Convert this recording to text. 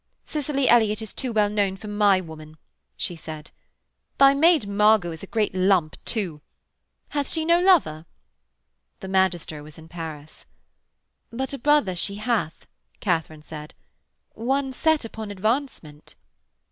'Cicely Elliott is too well known for my woman,' she said. 'Thy maid Margot is a great lump, too. Hath she no lover?' The magister was in Paris. 'But a brother she hath,' Katharine said; 'one set upon advancement.'